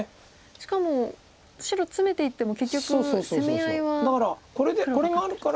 しかも白ツメていっても結局攻め合いは黒が勝ってると。